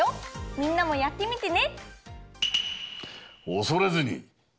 みんなもやってみてね！